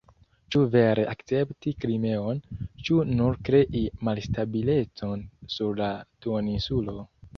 Ĉu vere akcepti Krimeon, ĉu nur krei malstabilecon sur la duoninsulo.